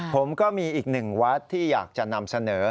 ผมก็มีอีกหนึ่งวัดที่อยากจะนำเสนอ